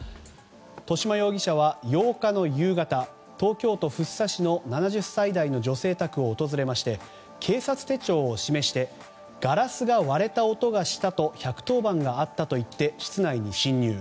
戸嶋容疑者は８日の夕方東京都福生市の７０歳代の女性宅を訪れまして警察手帳を示してガラスが割れた音がしたと１１０番があったと言って室内に侵入。